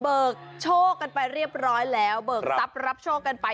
โชคกันไปเรียบร้อยแล้วเบิกทรัพย์รับโชคกันไป